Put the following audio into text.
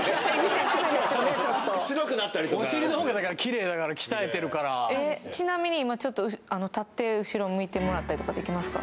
お尻の方がだからキレイだから鍛えてるからちなみに今ちょっと立って後ろ向いてもらったりとかできますか？